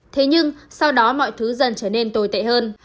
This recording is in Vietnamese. thế nhưng sau đó mọi thứ dần trở nên tồi tệ hơn